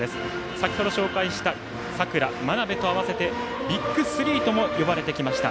先程紹介した佐倉、真鍋と合わせてビッグ３とも呼ばれてきました。